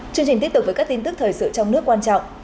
chương trình tiếp tục với các tin tức thời sự trong nước quan trọng